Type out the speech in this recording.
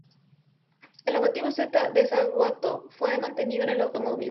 El logotipo "Z" de Zagato fue mantenido en el automóvil.